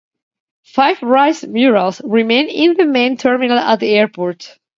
Five Reiss murals remain in the main terminal at the airport.